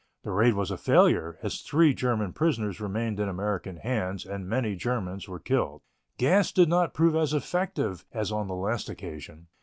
The raid was a failure, as three German prisoners remained in American hands and many Germans were killed. Gas did not prove as effective as on the last occasion.